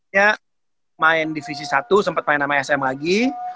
ya main divisi satu sempat main sama sm lagi